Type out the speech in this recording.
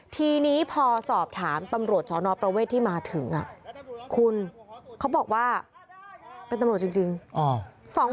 ทีนี้พอสอบถามตำรวจสนประเวทที่มาถึงคุณเขาบอกว่าเป็นตำรวจจริง